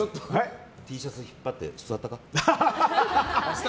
Ｔシャツ引っ張って座ったか？